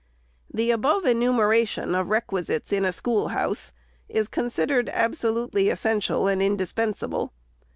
The above enumeration of requisites in a schoolhouse is considered absolutely essential and indispensable.